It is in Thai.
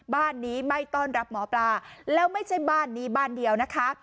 บ้านนี้ไม่ต้อนรับหมอปลาแล้วไม่ใช่บ้านนี้บ้านเดียวนะคะ